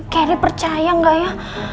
geri percaya nggak ya